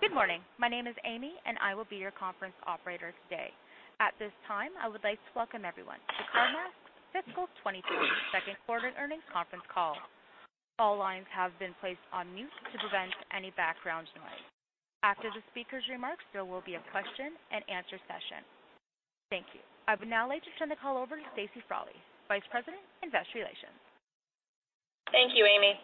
Good morning. My name is Amy, and I will be your conference operator today. At this time, I would like to welcome everyone to CarMax Fiscal 2020 Second Quarter Earnings Conference Call. All lines have been placed on mute to prevent any background noise. After the speakers' remarks, there will be a question and answer session. Thank you. I would now like to turn the call over to Stacy Froland, Vice President, Investor Relations. Thank you, Amy.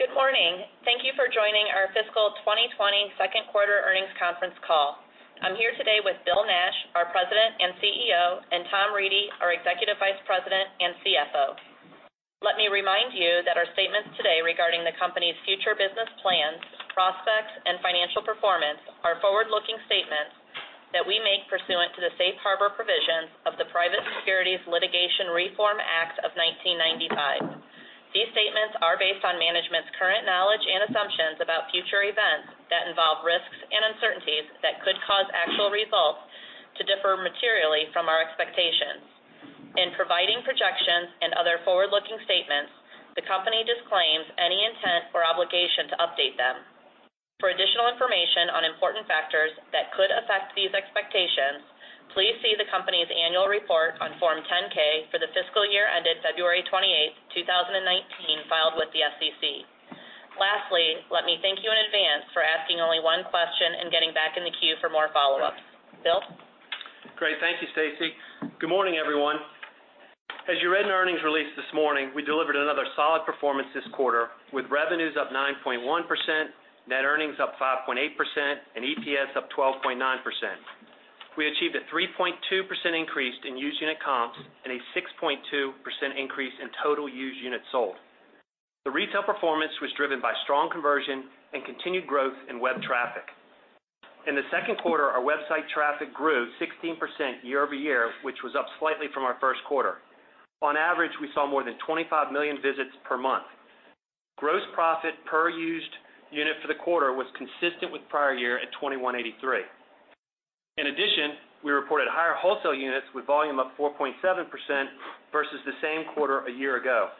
Good morning. Thank you for joining our Fiscal 2020 Second Quarter Earnings Conference Call. I'm here today with Bill Nash, our President and CEO, and Tom Reedy, our Executive Vice President and CFO. Let me remind you that our statements today regarding the company's future business plans, prospects, and financial performance are forward-looking statements that we make pursuant to the safe harbor provisions of the Private Securities Litigation Reform Act of 1995. These statements are based on management's current knowledge and assumptions about future events that involve risks and uncertainties that could cause actual results to differ materially from our expectations. In providing projections and other forward-looking statements, the company disclaims any intent or obligation to update them. For additional information on important factors that could affect these expectations, please see the company's annual report on Form 10-K for the fiscal year ended February 28, 2019, filed with the SEC. Lastly, let me thank you in advance for asking only one question and getting back in the queue for more follow-ups. Bill? Great. Thank you, Stacey. Good morning, everyone. As you read in the earnings release this morning, we delivered another solid performance this quarter with revenues up 9.1%, net earnings up 5.8%, and EPS up 12.9%. We achieved a 3.2% increase in used unit comps and a 6.2% increase in total used units sold. The retail performance was driven by strong conversion and continued growth in web traffic. In the second quarter, our website traffic grew 16% year-over-year, which was up slightly from our first quarter. On average, we saw more than 25 million visits per month. Gross profit per used unit for the quarter was consistent with the prior year at $2,183. In addition, we reported higher wholesale units with volume up 4.7% versus the same quarter a year ago.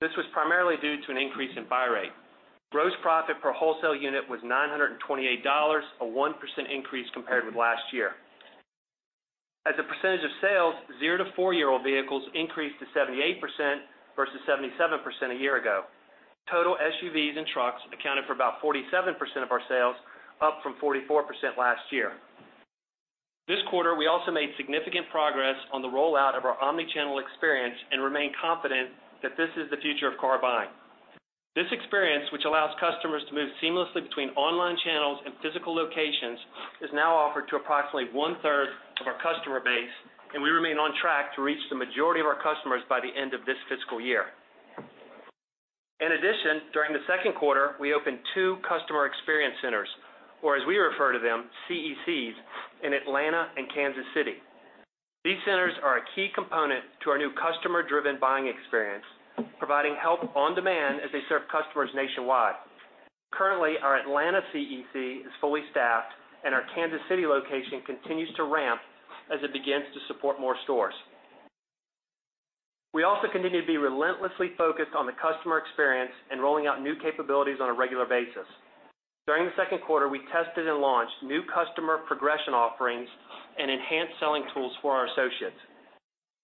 This was primarily due to an increase in buy rate. Gross profit per wholesale unit was $928, a 1% increase compared with last year. As a percentage of sales, 0- to 4-year-old vehicles increased to 78% versus 77% a year ago. Total SUVs and trucks accounted for about 47% of our sales, up from 44% last year. This quarter, we also made significant progress on the rollout of our omnichannel experience and remain confident that this is the future of car buying. This experience, which allows customers to move seamlessly between online channels and physical locations, is now offered to approximately one-third of our customer base, and we remain on track to reach the majority of our customers by the end of this fiscal year. In addition, during the second quarter, we opened two Customer Experience Centers, or as we refer to them, CECs, in Atlanta and Kansas City. These centers are a key component to our new customer-driven buying experience, providing help on demand as they serve customers nationwide. Currently, our Atlanta CEC is fully staffed, and our Kansas City location continues to ramp as it begins to support more stores. We also continue to be relentlessly focused on the customer experience and rolling out new capabilities on a regular basis. During the second quarter, we tested and launched new customer progression offerings and enhanced selling tools for our associates.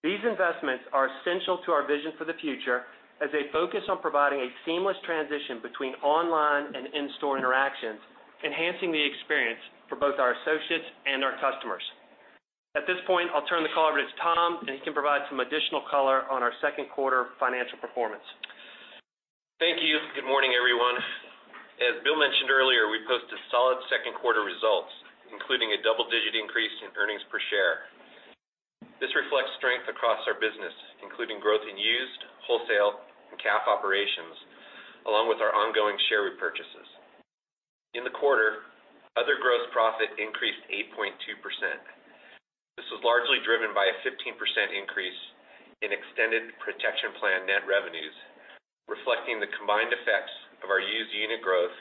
These investments are essential to our vision for the future as they focus on providing a seamless transition between online and in-store interactions, enhancing the experience for both our associates and our customers. At this point, I'll turn the call over to Tom, and he can provide some additional color on our second quarter financial performance. Thank you. Good morning, everyone. As Bill mentioned earlier, we posted solid second-quarter results, including a double-digit increase in earnings per share. This reflects strength across our business, including growth in used, wholesale, and CAF operations, along with our ongoing share repurchases. In the quarter, other gross profit increased 8.2%. This was largely driven by a 15% increase in extended protection plan net revenues, reflecting the combined effects of our used unit growth,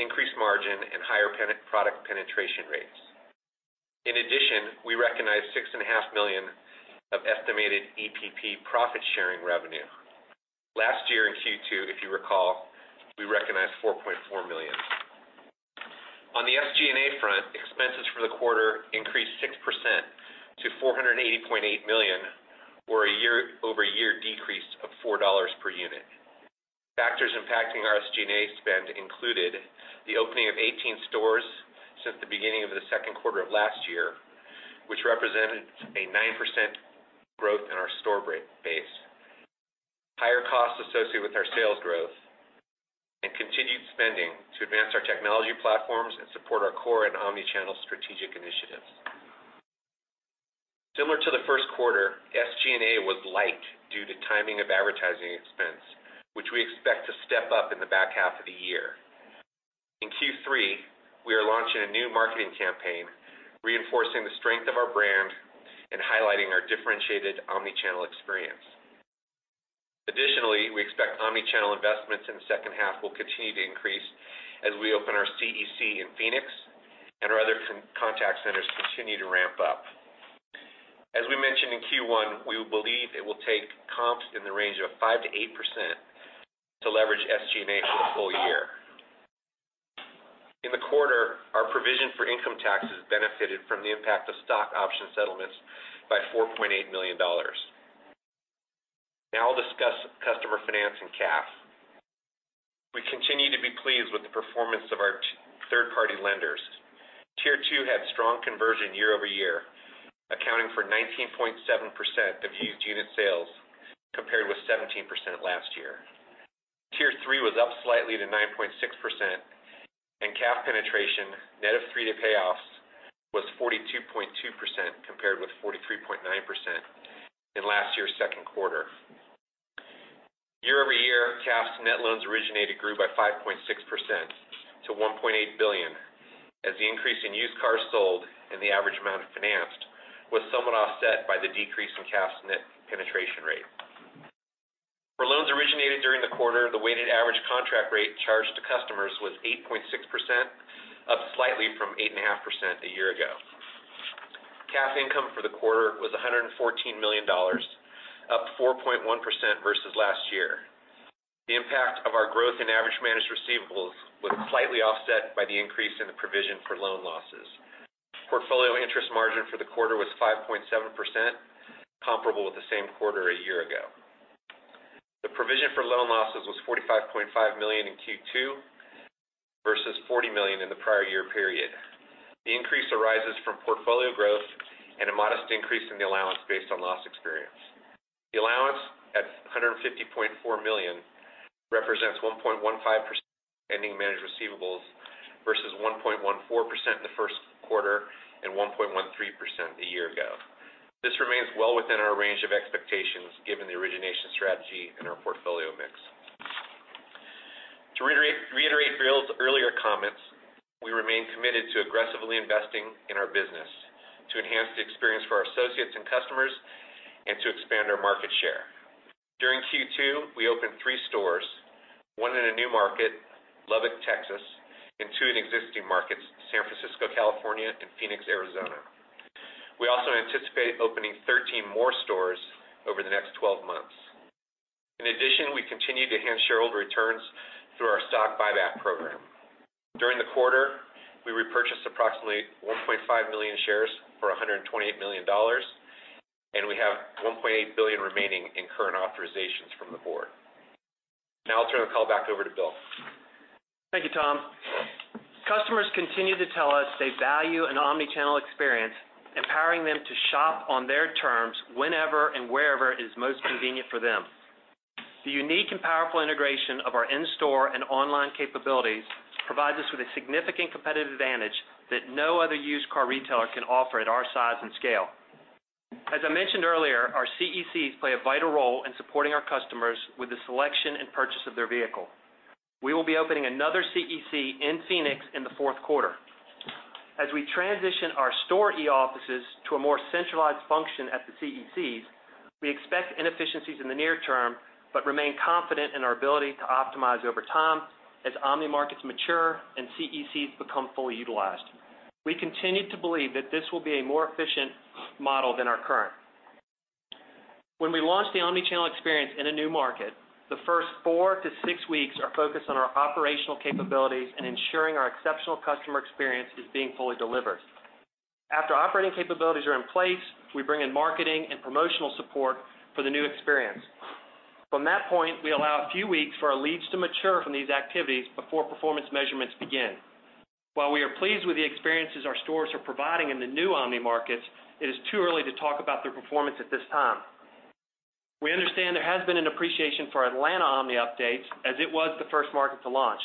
increased margin, and higher product penetration rates. In addition, we recognized $6.5 million of estimated EPP profit-sharing revenue. Last year in Q2, if you recall, we recognized $4.4 million. On the SG&A front, expenses for the quarter increased 6% to $480.8 million, or a year-over-year decrease of $4 per unit. Factors impacting our SG&A spend included the opening of 18 stores since the beginning of the second quarter of last year, which represented a 9% growth in our store base, higher costs associated with our sales growth and continued spending to advance our technology platforms and support our core and omnichannel strategic initiatives. Similar to the first quarter, SG&A was light due to timing of advertising expense, which we expect to step up in the back half of the year. In Q3, we are launching a new marketing campaign reinforcing the strength of our brand and highlighting our differentiated omnichannel experience. Additionally, we expect omnichannel investments in the second half will continue to increase as we open our CEC in Phoenix and our other contact centers continue to ramp up. Q1, we believe it will take comps in the range of 5%-8% to leverage SG&A for the full year. In the quarter, our provision for income taxes benefited from the impact of stock option settlements by $4.8 million. Now I'll discuss customer finance and CAF. We continue to be pleased with the performance of our third-party lenders. Tier 2 had strong conversion year-over-year, accounting for 19.7% of used unit sales, compared with 17% last year. Tier 3 was up slightly to 9.6%, and CAF penetration, net of free to payoffs, was 42.2%, compared with 43.9% in last year's second quarter. Year-over-year, CAF's net loans originated grew by 5.6% to $1.8 billion, as the increase in used cars sold and the average amount financed was somewhat offset by the decrease in CAF's net penetration rate. For loans originated during the quarter, the weighted average contract rate charged to customers was 8.6%, up slightly from 8.5% a year ago. CAF income for the quarter was $114 million, up 4.1% versus last year. The impact of our growth in average managed receivables was slightly offset by the increase in the provision for loan losses. Portfolio interest margin for the quarter was 5.7%, comparable with the same quarter a year ago. The provision for loan losses was $45.5 million in Q2 versus $40 million in the prior year period. The increase arises from portfolio growth and a modest increase in the allowance based on loss experience. The allowance, at $150.4 million, represents 1.15% ending managed receivables versus 1.14% in the first quarter and 1.13% a year ago. This remains well within our range of expectations given the origination strategy and our portfolio mix. To reiterate Bill's earlier comments, we remain committed to aggressively investing in our business to enhance the experience for our associates and customers and to expand our market share. During Q2, we opened three stores, one in a new market, Lubbock, Texas, and two in existing markets, San Francisco, California, and Phoenix, Arizona. We also anticipate opening 13 more stores over the next 12 months. In addition, we continue to enhance shareholder returns through our stock buyback program. During the quarter, we repurchased approximately 1.5 million shares for $128 million, and we have $1.8 billion remaining in current authorizations from the board. Now I'll turn the call back over to Will. Thank you, Tom. Customers continue to tell us they value an omni-channel experience, empowering them to shop on their terms whenever and wherever is most convenient for them. The unique and powerful integration of our in-store and online capabilities provides us with a significant competitive advantage that no other used car retailer can offer at our size and scale. As I mentioned earlier, our CECs play a vital role in supporting our customers with the selection and purchase of their vehicle. We will be opening another CEC in Phoenix in the fourth quarter. As we transition our store e-offices to a more centralized function at the CECs, we expect inefficiencies in the near term, but remain confident in our ability to optimize over time as omni markets mature and CECs become fully utilized. We continue to believe that this will be a more efficient model than our current. When we launched the omnichannel experience in a new market, the first four to six weeks are focused on our operational capabilities and ensuring our exceptional customer experience is being fully delivered. After operating capabilities are in place, we bring in marketing and promotional support for the new experience. From that point, we allow a few weeks for our leads to mature from these activities before performance measurements begin. While we are pleased with the experiences our stores are providing in the new omni markets, it is too early to talk about their performance at this time. We understand there has been an appreciation for Atlanta omni updates as it was the first market to launch.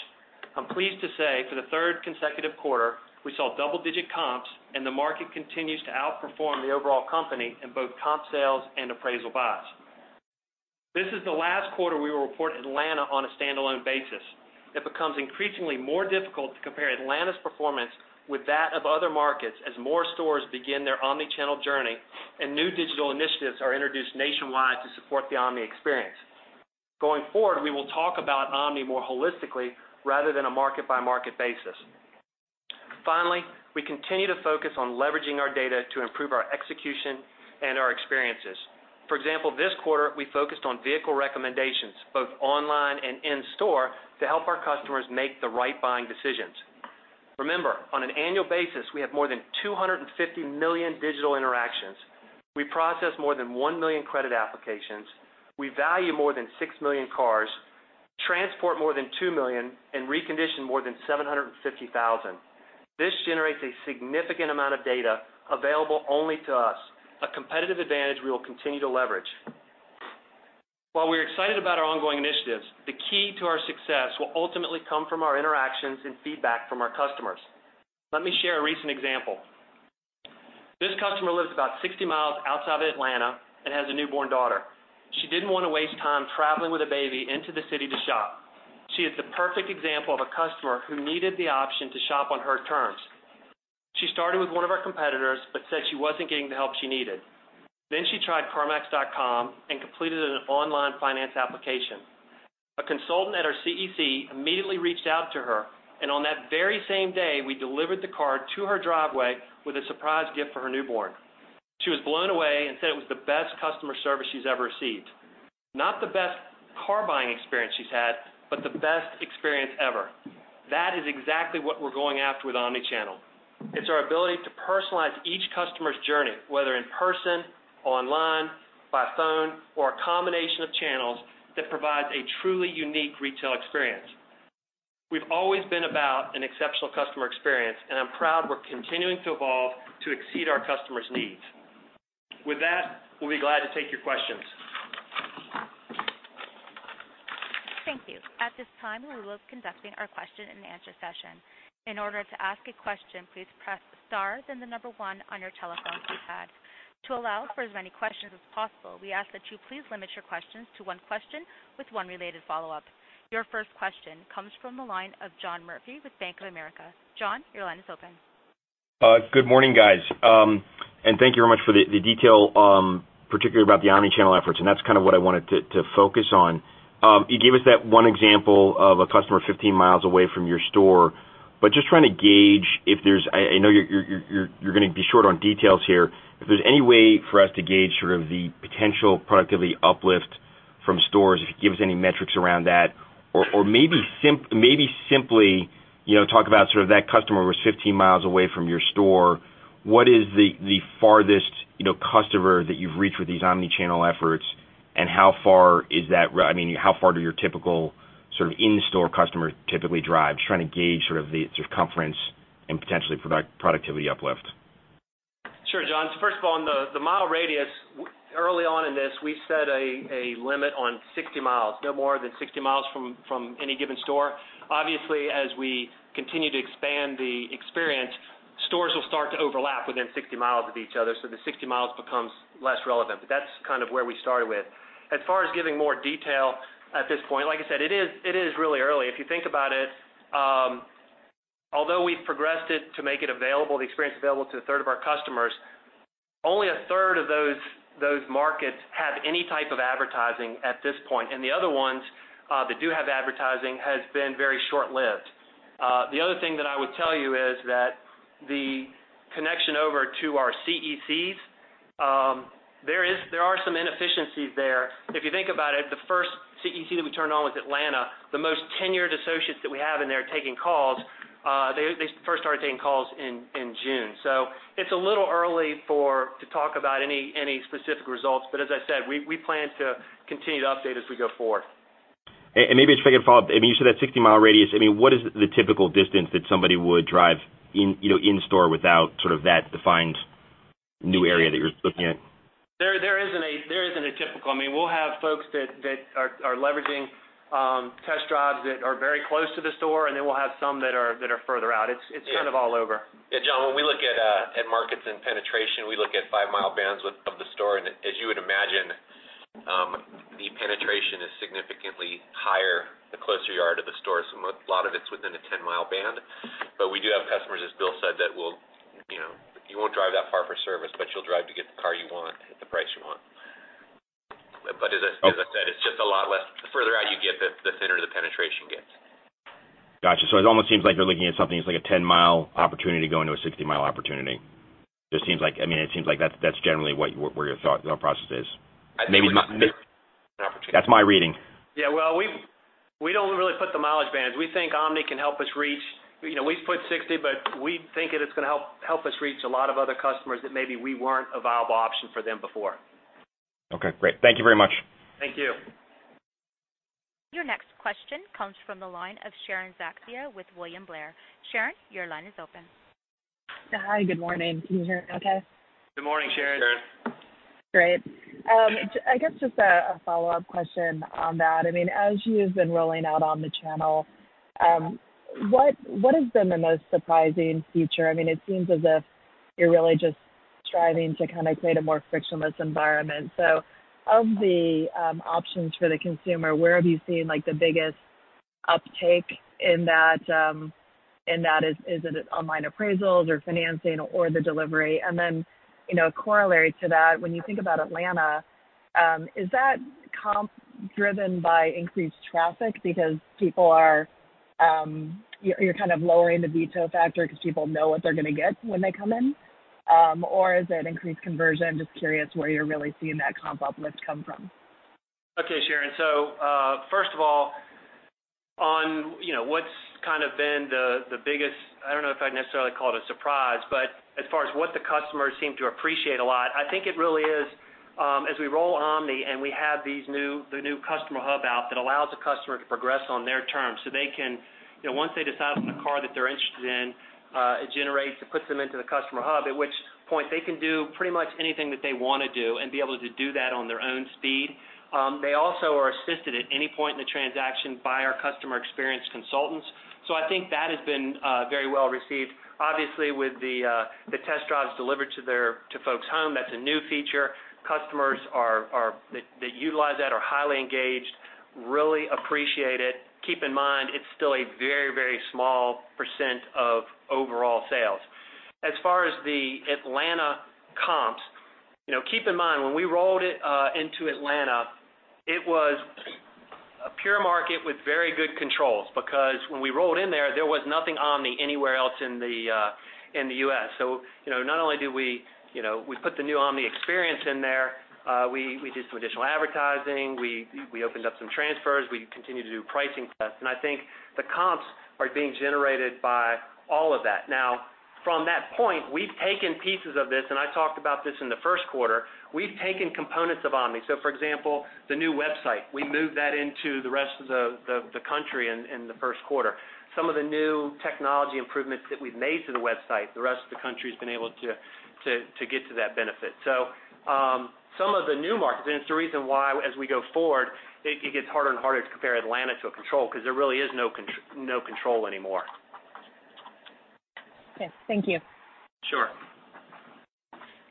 I'm pleased to say, for the third consecutive quarter, we saw double-digit comps and the market continues to outperform the overall company in both comp sales and appraisal buys. This is the last quarter we will report Atlanta on a standalone basis. It becomes increasingly more difficult to compare Atlanta's performance with that of other markets as more stores begin their omnichannel journey and new digital initiatives are introduced nationwide to support the omni experience. Going forward, we will talk about omni more holistically rather than a market-by-market basis. Finally, we continue to focus on leveraging our data to improve our execution and our experiences. For example, this quarter, we focused on vehicle recommendations, both online and in-store, to help our customers make the right buying decisions. Remember, on an annual basis, we have more than 250 million digital interactions. We process more than 1 million credit applications, we value more than 6 million cars, transport more than 2 million, and recondition more than 750,000. This generates a significant amount of data available only to us, a competitive advantage we will continue to leverage. While we're excited about our ongoing initiatives, the key to our success will ultimately come from our interactions and feedback from our customers. Let me share a recent example. This customer lives about 60 miles outside of Atlanta and has a newborn daughter. She didn't want to waste time traveling with a baby into the city to shop. She is the perfect example of a customer who needed the option to shop on her terms. She started with one of our competitors but said she wasn't getting the help she needed. She tried carmax.com and completed an online finance application. Our CEC immediately reached out to her, and on that very same day, we delivered the car to her driveway with a surprise gift for her newborn. She was blown away and said it was the best customer service she's ever received. Not the best car buying experience she's had, but the best experience ever. That is exactly what we're going after with omnichannel. It's our ability to personalize each customer's journey, whether in person or online, by phone, or a combination of channels that provides a truly unique retail experience. We've always been about an exceptional customer experience, and I'm proud we're continuing to evolve to exceed our customers' needs. With that, we'll be glad to take your questions. Thank you. At this time, we will be conducting our question and answer session. In order to ask a question, please press star, then the number 1 on your telephone keypad. To allow for as many questions as possible, we ask that you please limit your questions to one question with one related follow-up. Your first question comes from the line of John Murphy with Bank of America. John, your line is open. Good morning, guys. Thank you very much for the detail, particularly about the omnichannel efforts, and that's kind of what I wanted to focus on. You gave us that one example of a customer 15 miles away from your store, but just trying to gauge if there's, I know you're going to be short on details here, any way for us to gauge sort of the potential productivity uplift from stores, if you can give us any metrics around that or maybe simply talk about sort of that customer who was 15 miles away from your store. What is the farthest customer that you've reached with these omnichannel efforts, and how far do your typical in-store customers typically drive? Just trying to gauge sort of the circumference and potentially productivity uplift. Sure, John. First of all, on the mile radius, early on in this, we set a limit on 60 miles. No more than 60 miles from any given store. Obviously, as we continue to expand the experience, stores will start to overlap within 60 miles of each other, so the 60 miles becomes less relevant, but that's kind of where we started with. As far as giving more detail at this point, like I said, it is really early. If you think about it, although we've progressed it to make the experience available to a third of our customers, only a third of those markets have any type of advertising at this point. The other ones that do have advertising has been very short-lived. The other thing that I would tell you is that the connection over to our CECs, there are some inefficiencies there. If you think about it, the first CEC that we turned on was Atlanta. The most tenured associates that we have in there taking calls, they first started taking calls in June. It's a little early to talk about any specific results. As I said, we plan to continue to update as we go forward. Maybe if I could follow up. You said that 60-mile radius. What is the typical distance that somebody would drive in-store without sort of that defined new area that you're looking at? There isn't a typical. We'll have folks that are leveraging test drives that are very close to the store, and then we'll have some that are further out. It's kind of all over. Yeah, John, when we look at markets and penetration, we look at five-mile bands of the store. As you would imagine, the penetration is significantly higher the closer you are to the store. A lot of it's within a 10-mile band. We do have customers, as Bill said, that you won't drive that far for service, but you'll drive to get the car you want at the price you want. As I said, it's just a lot less. The further out you get, the thinner the penetration gets. Got you. It almost seems like you're looking at something that's like a 10-mile opportunity going to a 60-mile opportunity. It seems like that's generally where your thought process is. I'd say that's an opportunity. That's my reading. Yeah. Well, we don't really put the mileage bands. We think omnichannel can help us reach. We put 60. We think that it's going to help us reach a lot of other customers that maybe we weren't a viable option for them before. Okay, great. Thank you very much. Thank you. Your next question comes from the line of Sharon Zackfia with William Blair. Sharon, your line is open. Hi. Good morning. Can you hear me okay? Good morning, Sharon. Sharon. Great. I guess just a follow-up question on that. As you have been rolling out omnichannel, what has been the most surprising feature? It seems as if you're really just striving to kind of create a more frictionless environment. Of the options for the consumer, where have you seen the biggest uptake in that? Is it online appraisals or financing or the delivery? Then, a corollary to that, when you think about Atlanta, is that comp driven by increased traffic because you're kind of lowering the veto factor because people know what they're going to get when they come in? Or is it increased conversion? Just curious where you're really seeing that comp uplift come from. Sharon. First of all, on what's kind of been the biggest, I don't know if I'd necessarily call it a surprise, but as far as what the customers seem to appreciate a lot, I think it really is as we roll omni and we have the new customer hub out that allows the customer to progress on their terms so they can, once they decide on a car that they're interested in, it generates, it puts them into the customer hub, at which point they can do pretty much anything that they want to do and be able to do that on their own speed. They also are assisted at any point in the transaction by our Customer Experience Consultants. I think that has been very well received. Obviously, with the test drives delivered to folks' home, that's a new feature. Customers that utilize that are highly engaged, really appreciate it. Keep in mind, a small % of overall sales. As far as the Atlanta comps, keep in mind, when we rolled it into Atlanta, it was a pure market with very good controls, because when we rolled in there was nothing omni anywhere else in the U.S. Not only do we put the new omni experience in there, we did some additional advertising, we opened up some transfers, we continued to do pricing tests, and I think the comps are being generated by all of that. From that point, we've taken pieces of this, and I talked about this in the first quarter. We've taken components of omni. For example, the new website. We moved that into the rest of the country in the first quarter. Some of the new technology improvements that we've made to the website, the rest of the country's been able to get to that benefit. Some of the new markets, and it's the reason why, as we go forward, it gets harder and harder to compare Atlanta to a control, because there really is no control anymore. Okay. Thank you. Sure.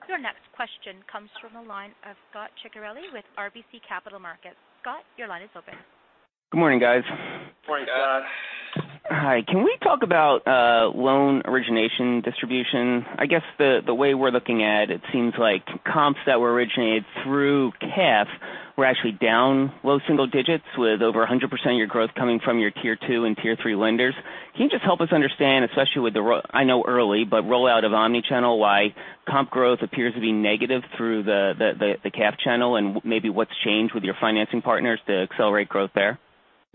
Your next question comes from the line of Scot Ciccarelli with RBC Capital Markets. Scot, your line is open. Good morning, guys. Morning, Scot. Hi. Can we talk about loan origination distribution? I guess the way we're looking at it, seems like comps that were originated through CAF were actually down low single digits with over 100% of your growth coming from your tier 2 and tier 3 lenders. Can you just help us understand, especially with the, I know early, but rollout of omnichannel, why comp growth appears to be negative through the CAF channel and maybe what's changed with your financing partners to accelerate growth there?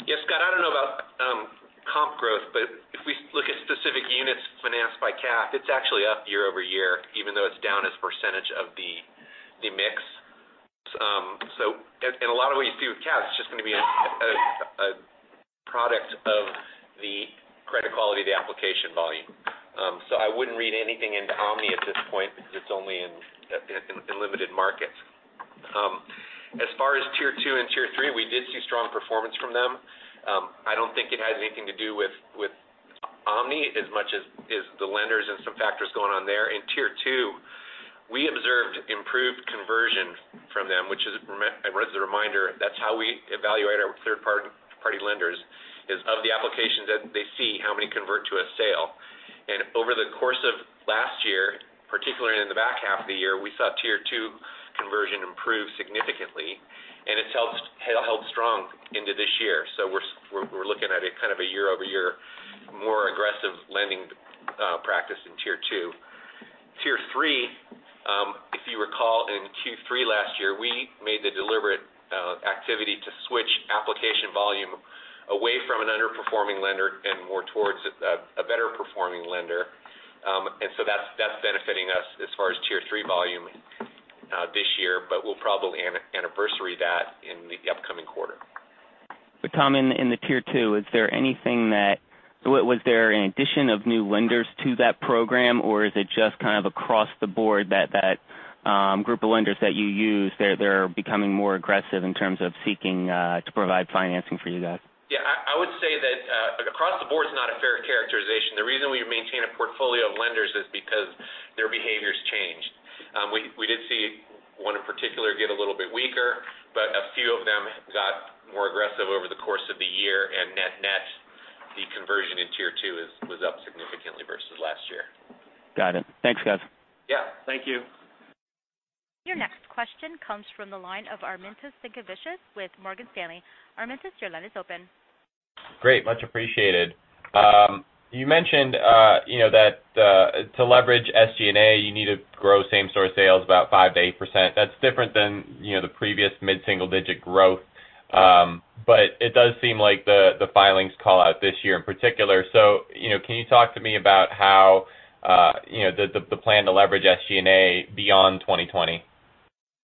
Yes, Scot, I don't know about comp growth, but if we look at specific units financed by CAF, it's actually up year-over-year, even though it's down as a percentage of the mix. A lot of what you see with CAF is just going to be a product of the credit quality of the application volume. I wouldn't read anything into omni at this point because it's only in limited markets. As far as tier 2 and tier 3, we did see strong performance from them. I don't think it has anything to do with omni as much as the lenders and some factors going on there. In tier 2, we observed improved conversion from them, which as a reminder, that's how we evaluate our third-party lenders is of the applications that they see, how many convert to a sale. Over the course of last year, particularly in the back half of the year, we saw tier 2 conversion improve significantly, and it's held strong into this year. We're looking at a kind of a year-over-year, more aggressive lending practice in tier 2. Tier 3, if you recall, in Q3 last year, we made the deliberate activity to switch application volume away from an underperforming lender and more towards a better-performing lender. That's benefiting us as far as tier 3 volume this year, but we'll probably anniversary that in the upcoming quarter. Tom, in the tier 2, was there an addition of new lenders to that program, or is it just kind of across the board that that group of lenders that you use, they're becoming more aggressive in terms of seeking to provide financing for you guys? Yeah, I would say that across the board is not a fair characterization. The reason we maintain a portfolio of lenders is because their behaviors changed. We did see one in particular get a little bit weaker, but a few of them got more aggressive over the course of the year and net, the conversion in tier 2 was up significantly versus last year. Got it. Thanks, guys. Yeah. Thank you. Your next question comes from the line of Arminas Sinkevicius with Morgan Stanley. Armintas, your line is open. Great. Much appreciated. You mentioned that to leverage SG&A, you need to grow same-store sales about 5%-8%. That's different than the previous mid-single-digit growth. It does seem like the filings call out this year in particular. Can you talk to me about how the plan to leverage SG&A beyond 2020?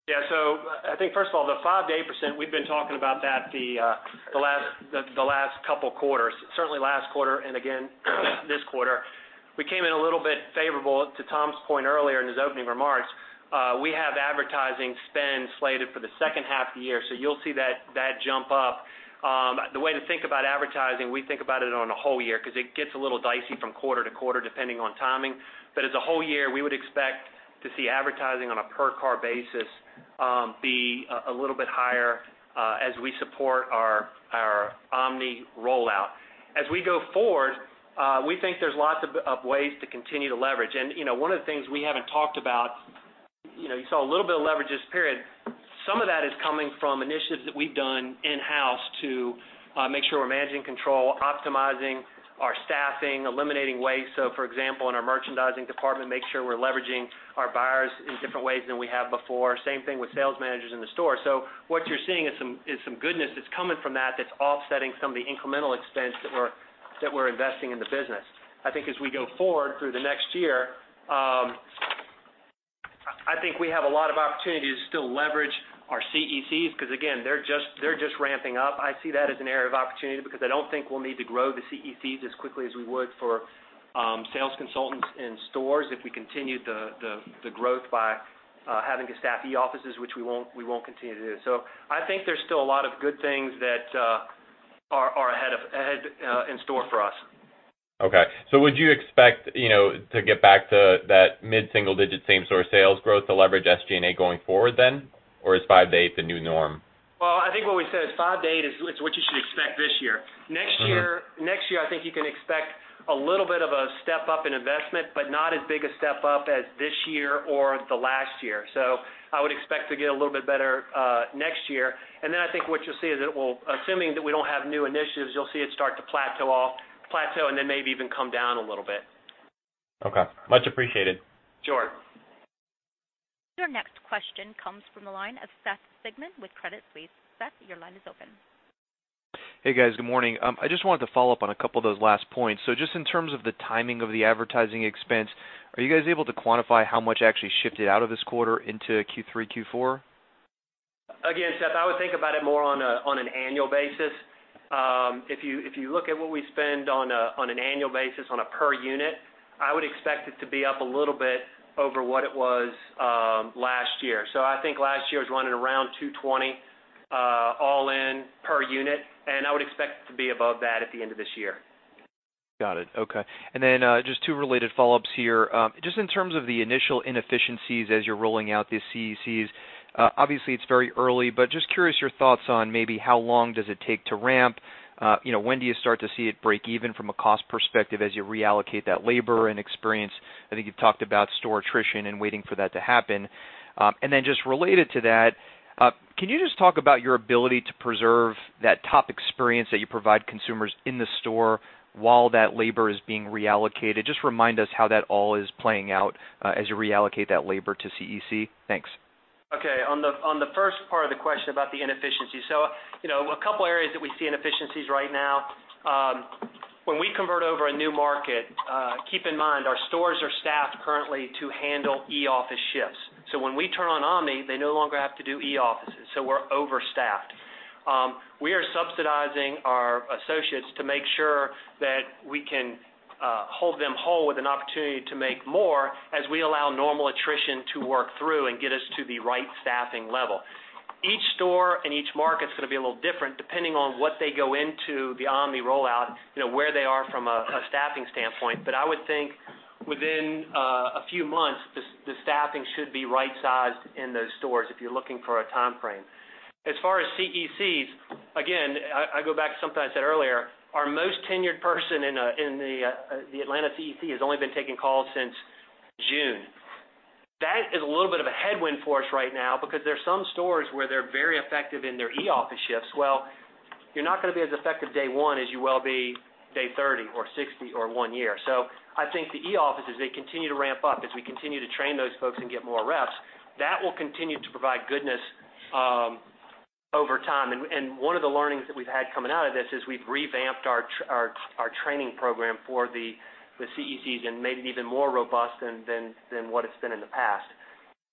I think first of all, the 5%-8%, we've been talking about that the last couple quarters, certainly last quarter and again this quarter. We came in a little bit favorable to Tom's point earlier in his opening remarks. We have advertising spend slated for the second half of the year, you'll see that jump up. The way to think about advertising, we think about it on a whole year because it gets a little dicey from quarter to quarter, depending on timing. As a whole year, we would expect to see advertising on a per car basis be a little bit higher as we support our omni rollout. As we go forward, we think there's lots of ways to continue to leverage. One of the things we haven't talked about, you saw a little bit of leverage this period. Some of that is coming from initiatives that we've done in-house to make sure we're managing control, optimizing our staffing, eliminating waste. For example, in our merchandising department, make sure we're leveraging our buyers in different ways than we have before. Same thing with sales managers in the store. What you're seeing is some goodness that's coming from that's offsetting some of the incremental expense that we're investing in the business. I think as we go forward through the next year, I think we have a lot of opportunity to still leverage our CECs, because again, they're just ramping up. I see that as an area of opportunity because I don't think we'll need to grow the CECs as quickly as we would for sales consultants in stores if we continued the growth by having to staff e-offices, which we won't continue to do. I think there's still a lot of good things that are ahead in store for us. Okay. Would you expect to get back to that mid-single digit same-store sales growth to leverage SG&A going forward then? Is five day the new norm? Well, I think what we said is five to eight is what you should expect this year. Next year, I think you can expect a little bit of a step up in investment, not as big a step up as this year or the last year. I would expect to get a little bit better next year. I think what you'll see is that it will, assuming that we don't have new initiatives, you'll see it start to plateau and then maybe even come down a little bit. Okay, much appreciated. Sure. Your next question comes from the line of Seth Sigman with Credit Suisse. Seth, your line is open. Hey, guys. Good morning. I just wanted to follow up on a couple of those last points. Just in terms of the timing of the advertising expense, are you guys able to quantify how much actually shifted out of this quarter into Q3, Q4? Again, Seth, I would think about it more on an annual basis. If you look at what we spend on an annual basis on a per unit, I would expect it to be up a little bit over what it was last year. I think last year was running around $220 all in per unit, and I would expect it to be above that at the end of this year. Got it. Okay. Just two related follow-ups here. Just in terms of the initial inefficiencies as you're rolling out these CECs, obviously, it's very early, but just curious your thoughts on maybe how long does it take to ramp? When do you start to see it break even from a cost perspective as you reallocate that labor and experience? I think you've talked about store attrition and waiting for that to happen. Just related to that, can you just talk about your ability to preserve that top experience that you provide consumers in the store while that labor is being reallocated? Just remind us how that all is playing out as you reallocate that labor to CEC. Thanks. Okay. On the first part of the question about the inefficiency. A couple of areas that we see inefficiencies right now. When we convert over a new market, keep in mind our stores are staffed currently to handle e-office shifts. When we turn on omni, they no longer have to do e-offices, so we're overstaffed. We are subsidizing our associates to make sure that we can hold them whole with an opportunity to make more as we allow normal attrition to work through and get us to the right staffing level. Each store and each market's going to be a little different depending on what they go into the omni rollout, where they are from a staffing standpoint. I would think within a few months, the staffing should be right-sized in those stores if you're looking for a timeframe. As far as CECs, I go back to something I said earlier. Our most tenured person in the Atlanta CEC has only been taking calls since June. That is a little bit of a headwind for us right now because there are some stores where they're very effective in their e-office shifts. You're not going to be as effective day one as you will be day 30 or 60 or one year. I think the e-offices, they continue to ramp up as we continue to train those folks and get more reps. That will continue to provide goodness over time, one of the learnings that we've had coming out of this is we've revamped our training program for the CECs and made it even more robust than what it's been in the past.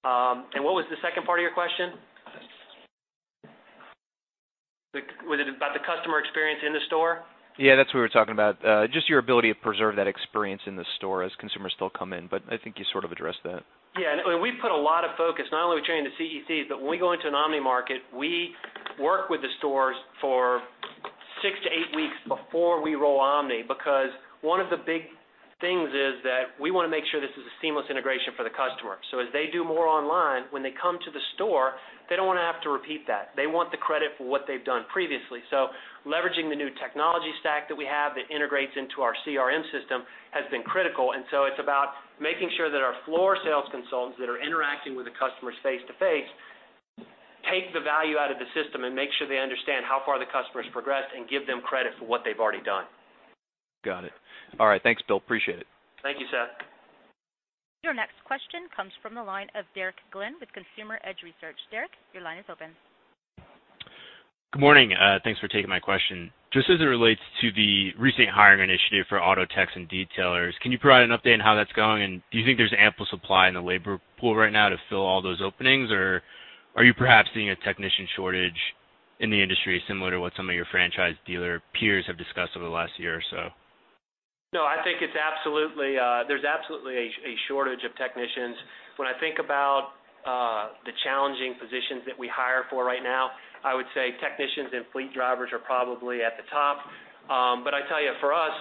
What was the second part of your question? Was it about the customer experience in the store? Yeah, that's what we were talking about. Just your ability to preserve that experience in the store as consumers still come in, but I think you sort of addressed that. Yeah. We put a lot of focus not only training the CECs, but when we go into an omni market, we work with the stores for six to eight weeks before we roll omni, because one of the big things is that we want to make sure this is a seamless integration for the customer. As they do more online, when they come to the store, they don't want to have to repeat that. They want the credit for what they've done previously. Leveraging the new technology stack that we have that integrates into our CRM system has been critical, and so it's about making sure that our floor sales consultants that are interacting with the customers face-to-face take the value out of the system and make sure they understand how far the customer's progressed and give them credit for what they've already done. Got it. All right. Thanks, Bill. Appreciate it. Thank you, Seth. Your next question comes from the line of Derek Glynn with Consumer Edge Research. Derek, your line is open. Good morning. Thanks for taking my question. Just as it relates to the recent hiring initiative for auto techs and detailers, can you provide an update on how that's going, and do you think there's ample supply in the labor pool right now to fill all those openings, or are you perhaps seeing a technician shortage in the industry similar to what some of your franchise dealer peers have discussed over the last year or so? No, I think there's absolutely a shortage of technicians. When I think about the challenging positions that we hire for right now, I would say technicians and fleet drivers are probably at the top. I tell you, for us,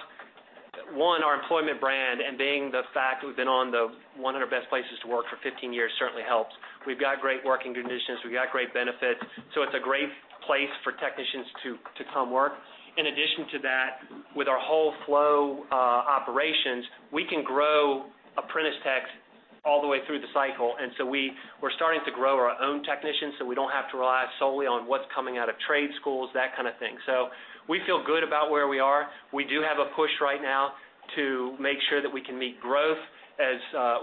one, our employment brand and being the fact that we've been on the 100 Best Places to Work for 15 years certainly helps. We've got great working conditions. We've got great benefits. It's a great place for technicians to come work. In addition to that, with our whole flow operations, we can grow apprentice techs all the way through the cycle, and so we're starting to grow our own technicians, so we don't have to rely solely on what's coming out of trade schools, that kind of thing. We feel good about where we are. We do have a push right now to make sure that we can meet growth,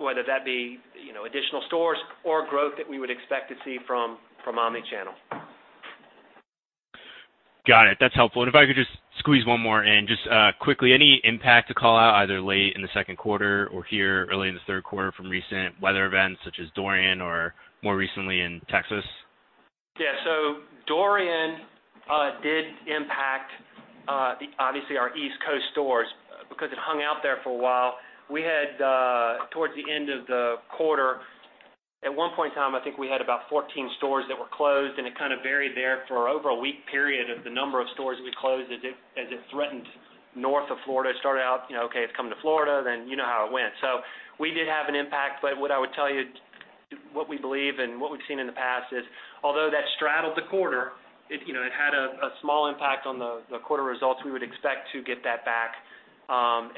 whether that be additional stores or growth that we would expect to see from omnichannel. Got it. That's helpful. If I could just squeeze one more in. Just quickly, any impact to call out either late in the second quarter or here early in the third quarter from recent weather events such as Dorian or more recently in Texas? Yeah. Dorian did impact, obviously, our East Coast stores because it hung out there for a while. Towards the end of the quarter, at one point in time, I think we had about 14 stores that were closed, and it kind of varied there for over a week period of the number of stores we closed as it threatened north of Florida. It started out, okay, it's coming to Florida, you know how it went. We did have an impact, what I would tell you, what we believe and what we've seen in the past is, although that straddled the quarter, it had a small impact on the quarter results. We would expect to get that back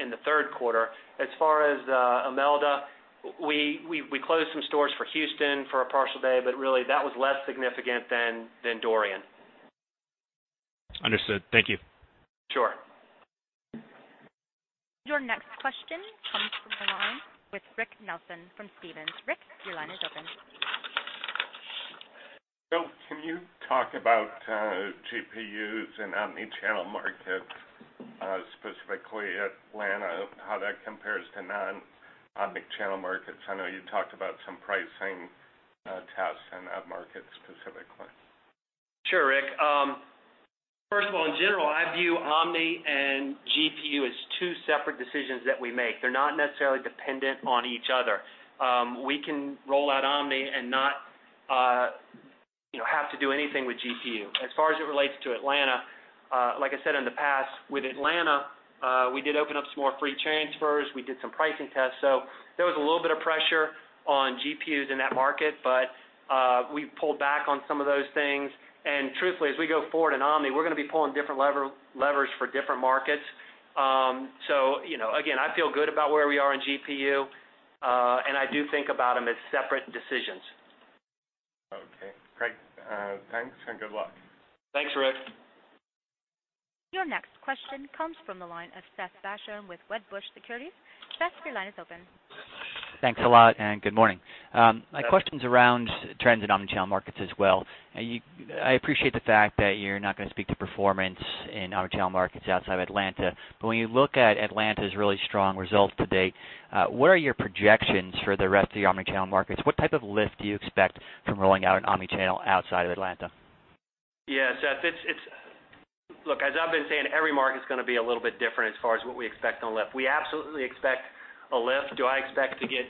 in the third quarter. As far as Imelda, we closed some stores for Houston for a partial day, really that was less significant than Dorian. Understood. Thank you. Sure. Your next question comes from the line with Rick Nelson from Stephens. Rick, your line is open. Bill, can you talk about GPUs in omnichannel markets, specifically Atlanta, how that compares to non-omnichannel markets? I know you talked about some pricing tests in that market specifically. Sure, Rick. First of all, in general, I view omni and GPU as two separate decisions that we make. They're not necessarily dependent on each other. We can roll out omni and not have to do anything with GPU. As far as it relates to Atlanta, like I said in the past, with Atlanta, we did open up some more free transfers. We did some pricing tests. There was a little bit of pressure on GPUs in that market, but we pulled back on some of those things. Truthfully, as we go forward in omni, we're going to be pulling different levers for different markets. Again, I feel good about where we are in GPU, and I do think about them as separate decisions. Okay, great. Thanks and good luck. Thanks, Rick. Your next question comes from the line of Seth Basham with Wedbush Securities. Seth, your line is open. Thanks a lot, and good morning. My question's around trends in omnichannel markets as well. I appreciate the fact that you're not going to speak to performance in omnichannel markets outside of Atlanta. When you look at Atlanta's really strong results to date, what are your projections for the rest of the omnichannel markets? What type of lift do you expect from rolling out an omnichannel outside of Atlanta? Seth, look, as I've been saying, every market's going to be a little bit different as far as what we expect on lift. We absolutely expect a lift. Do I expect to get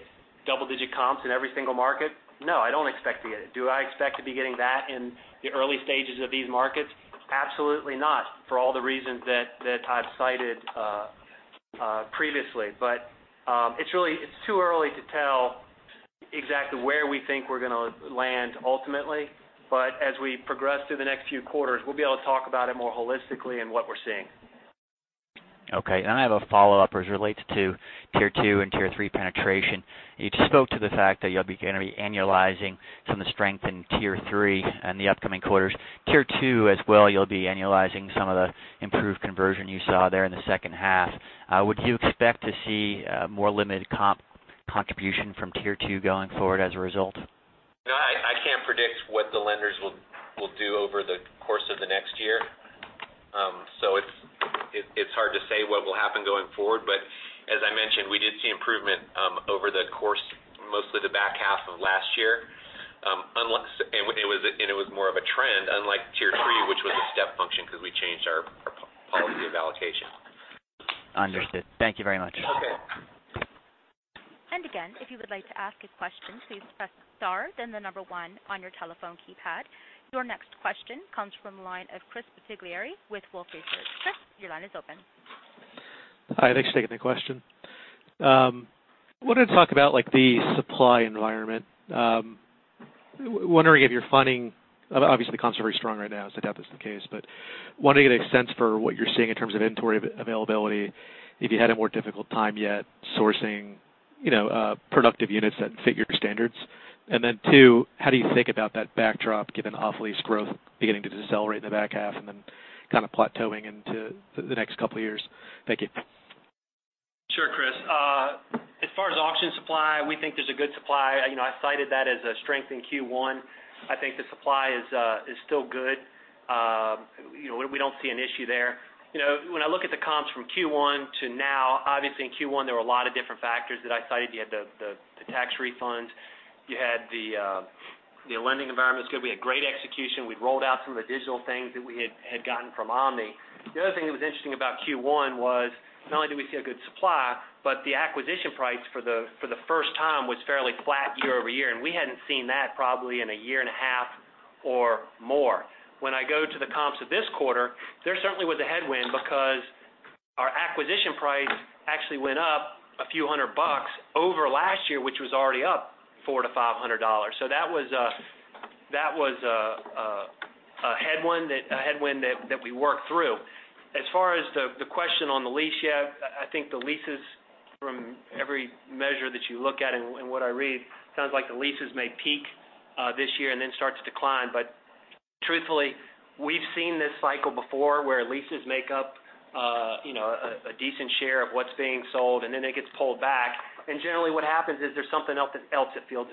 double-digit comps in every single market? No, I don't expect to get it. Do I expect to be getting that in the early stages of these markets? Absolutely not, for all the reasons that I've cited previously. It's too early to tell exactly where we think we're going to land ultimately. As we progress through the next few quarters, we'll be able to talk about it more holistically and what we're seeing. Okay. I have a follow-up as it relates to Tier 2 and Tier 3 penetration. You just spoke to the fact that you'll be annualizing some of the strength in Tier 3 in the upcoming quarters. Tier 2 as well, you'll be annualizing some of the improved conversion you saw there in the second half. Would you expect to see more limited comp contribution from Tier 2 going forward as a result? No, I can't predict what the lenders will do over the course of the next year. It's hard to say what will happen going forward. As I mentioned, we did see improvement over the course, mostly the back half of last year. It was more of a trend, unlike Tier 3, which was a step function because we changed our policy of allocation. Understood. Thank you very much. Okay. Again, if you would like to ask a question, please press star, then the number one on your telephone keypad. Your next question comes from the line of Chris Bottiglieri with Wolfe Research. Chris, your line is open. Hi, thanks for taking the question. I wanted to talk about the supply environment. Wondering if you're finding, obviously the comps are very strong right now, so I doubt that's the case, but wanted to get a sense for what you're seeing in terms of inventory availability, if you had a more difficult time yet sourcing productive units that fit your standards. Two, how do you think about that backdrop given off-lease growth beginning to decelerate in the back half and then kind of plateauing into the next couple of years? Thank you. Sure, Chris. As far as auction supply, we think there's a good supply. I cited that as a strength in Q1. I think the supply is still good. We don't see an issue there. When I look at the comps from Q1 to now, obviously in Q1, there were a lot of different factors that I cited. You had the tax refunds. You had the lending environment's going to be a great execution. We'd rolled out some of the digital things that we had gotten from omni. The other thing that was interesting about Q1 was not only did we see a good supply, but the acquisition price for the first time was fairly flat year-over-year, and we hadn't seen that probably in a year and a half or more. When I go to the comps of this quarter, they're certainly with a headwind because our acquisition price actually went up a few hundred bucks over last year, which was already up $400-$500. That was a headwind that we worked through. As far as the question on the lease yet, I think the leases from every measure that you look at and what I read sounds like the leases may peak this year and then start to decline. Truthfully, we've seen this cycle before where leases make up a decent share of what's being sold, and then it gets pulled back. Generally what happens is there's something else that fills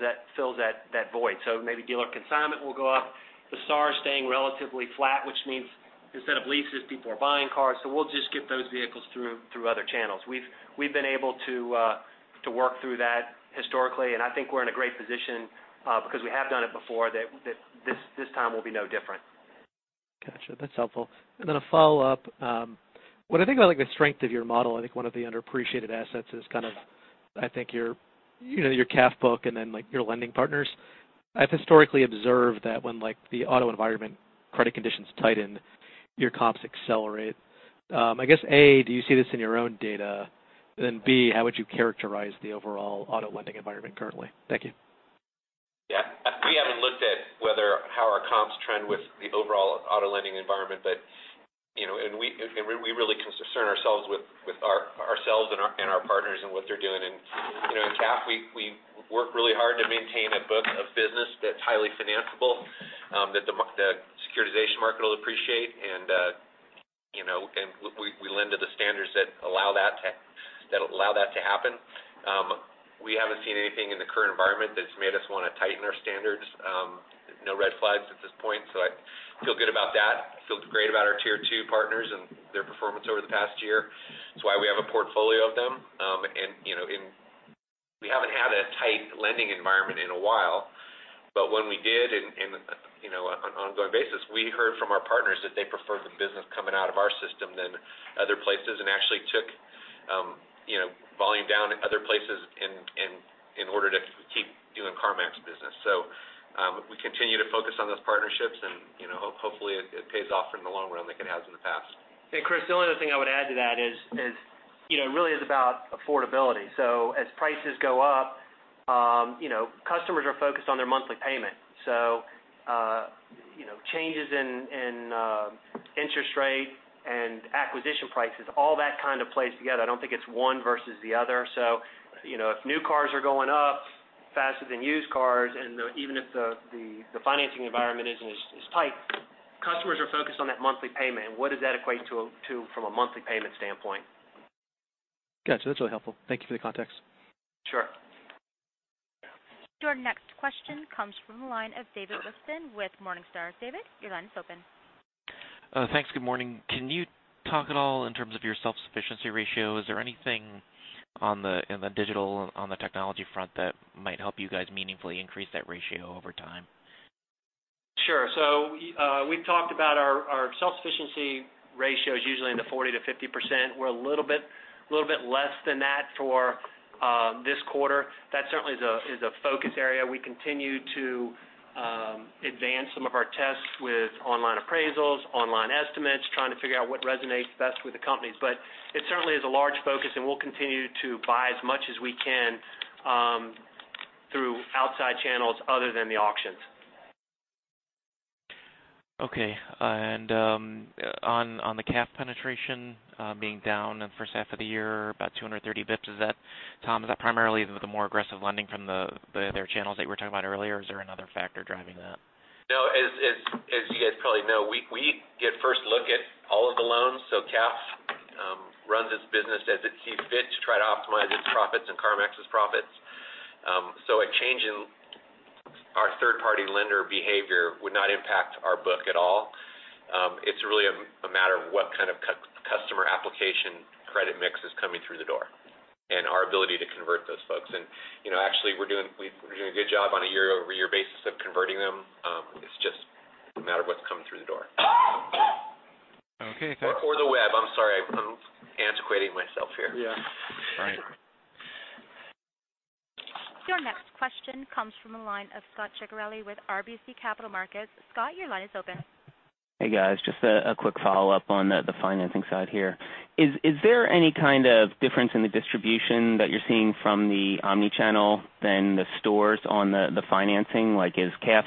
that void. Maybe dealer consignment will go up. The SAAR is staying relatively flat, which means instead of leases, people are buying cars. We'll just get those vehicles through other channels. We've been able to work through that historically, and I think we're in a great position because we have done it before, that this time will be no different. Got you. That's helpful. A follow-up. When I think about the strength of your model, I think one of the underappreciated assets is I think your CAF book and then your lending partners. I've historically observed that when the auto environment credit conditions tighten, your comps accelerate. I guess, A, do you see this in your own data? B, how would you characterize the overall auto lending environment currently? Thank you. Yeah. We haven't looked at how our comps trend with the overall auto lending environment, we really concern ourselves with ourselves and our partners and what they're doing. In CAF, we work really hard to maintain a book of business that's highly financeable, that the securitization market will appreciate, and we lend to the standards that allow that to happen. We haven't seen anything in the current environment that's made us want to tighten our standards. There's no red flags at this point, I feel good about that. Feel great about our tier 2 partners and their performance over the past year. It's why we have a portfolio of them. We haven't had a tight lending environment in a while, but when we did on an ongoing basis, we heard from our partners that they preferred the business coming out of our system than other places and actually took volume down at other places in order to keep doing CarMax business. We continue to focus on those partnerships and hopefully it pays off in the long run like it has in the past. Chris Bottiglieri, the only other thing I would add to that is, it really is about affordability. As prices go up, customers are focused on their monthly payment. Changes in interest rate and acquisition prices, all that kind of plays together. I don't think it's one versus the other. If new cars are going up faster than used cars, and even if the financing environment is tight, customers are focused on that monthly payment, and what does that equate to from a monthly payment standpoint? Got you. That's really helpful. Thank you for the context. Sure. Your next question comes from the line of David Whiston with Morningstar. David, your line is open. Thanks. Good morning. Can you talk at all in terms of your self-sufficiency ratio? Is there anything in the digital, on the technology front that might help you guys meaningfully increase that ratio over time? Sure. We've talked about our self-sufficiency ratio is usually in the 40%-50%. We're a little bit less than that for this quarter. That certainly is a focus area. We continue to advance some of our tests with online appraisals, online estimates, trying to figure out what resonates best with the companies. It certainly is a large focus and we'll continue to buy as much as we can through outside channels other than the auctions. Okay. On the CAF penetration being down in the first half of the year, about 230 basis points. Tom, is that primarily the more aggressive lending from the other channels that you were talking about earlier, or is there another factor driving that? As you guys probably know, we get first look at all of the loans. CAF runs its business as it sees fit to try to optimize its profits and CarMax's profits. A change in our third-party lender behavior would not impact our book at all. It's really a matter of what kind of customer application credit mix is coming through the door and our ability to convert those folks. Actually, we're doing a good job on a year-over-year basis of converting them. It's just a matter of what's coming through the door. Okay. Got it. The web. I'm sorry. I'm antiquating myself here. Yeah. All right. Your next question comes from the line of Scot Ciccarelli with RBC Capital Markets. Scot, your line is open. Hey, guys, just a quick follow-up on the financing side here. Is there any kind of difference in the distribution that you're seeing from the omnichannel than the stores on the financing? Like is CAF,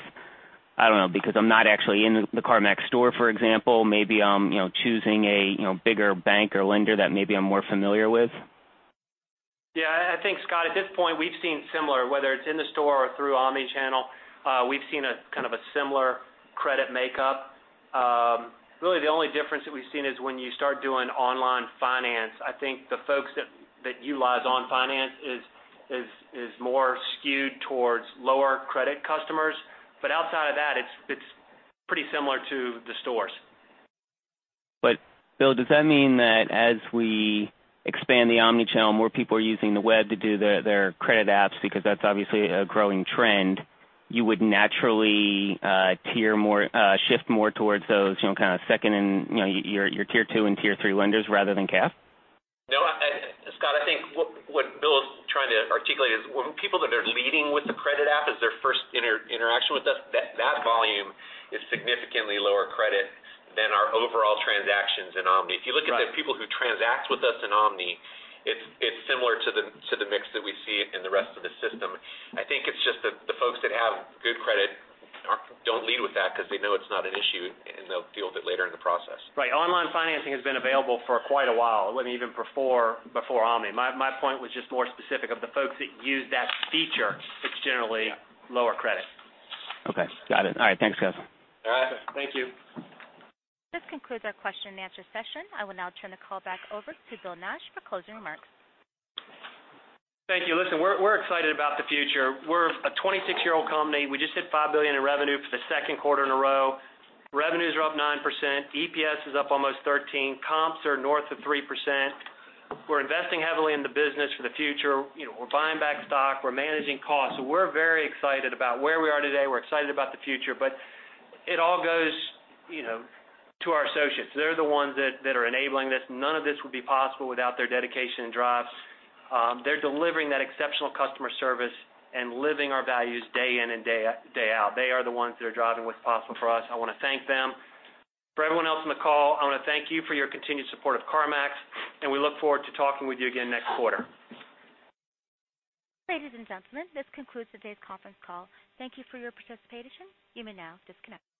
I don't know, because I'm not actually in the CarMax store, for example, maybe I'm choosing a bigger bank or lender that maybe I'm more familiar with? I think, Scot, at this point, we've seen similar, whether it's in the store or through omnichannel, we've seen a kind of a similar credit makeup. Really the only difference that we've seen is when you start doing online finance. I think the folks that utilize on finance is more skewed towards lower credit customers. Outside of that, it's pretty similar to the stores. Bill, does that mean that as we expand the omnichannel, more people are using the web to do their credit apps because that's obviously a growing trend, you would naturally shift more towards those kind of second and your tier 2 and tier 3 lenders rather than CAF? Scot, I think what Bill is trying to articulate is when people that are leading with the credit app as their first interaction with us, that volume is significantly lower credit than our overall transactions in omni. If you look at the people who transact with us in omni, it's similar to the mix that we see in the rest of the system. I think it's just that the folks that have good credit don't lead with that because they know it's not an issue, and they'll deal with it later in the process. Right. Online financing has been available for quite a while. It wasn't even before omni. My point was just more specific of the folks that use that feature, it's generally lower credit. Okay. Got it. All right. Thanks, guys. All right. Thank you. This concludes our question and answer session. I will now turn the call back over to Bill Nash for closing remarks. Thank you. We're excited about the future. We're a 26-year-old company. We just hit $5 billion in revenue for the second quarter in a row. Revenues are up 9%. EPS is up almost 13%. Comps are north of 3%. We're investing heavily in the business for the future. We're buying back stock. We're managing costs. We're very excited about where we are today. We're excited about the future. It all goes to our associates. They're the ones that are enabling this. None of this would be possible without their dedication and drive. They're delivering that exceptional customer service and living our values day in and day out. They are the ones that are driving what's possible for us. I want to thank them. For everyone else on the call, I want to thank you for your continued support of CarMax, and we look forward to talking with you again next quarter. Ladies and gentlemen, this concludes today's conference call. Thank you for your participation. You may now disconnect.